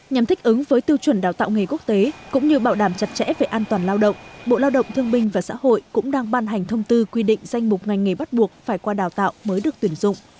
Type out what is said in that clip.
nhằm thích ứng với tiêu chuẩn đào tạo nghề quốc tế cũng như bảo đảm chặt chẽ về an toàn lao động bộ lao động thương binh và xã hội cũng đang ban hành thông tư quy định danh mục ngành nghề bắt buộc phải qua đào tạo mới được tuyển dụng